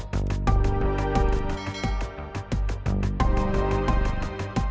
selepaskan ya gapapaiending gue masih suli